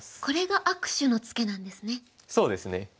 これが握手のツケなんですね。